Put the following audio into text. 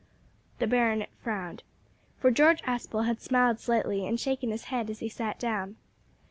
The Baronet frowned, for George Aspel had smiled slightly and shaken his head as he sat down.